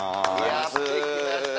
やって来ました